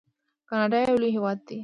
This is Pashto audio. کاناډا یو لوی هیواد دی.